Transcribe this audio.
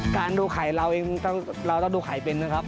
ดูไข่เราเองเราต้องดูไข่เป็นนะครับ